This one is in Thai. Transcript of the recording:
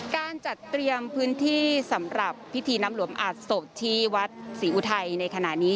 การจัดเตรียมพื้นที่สำหรับพิธีน้ำหลวงอาจศพที่วัดศรีอุทัยในขณะนี้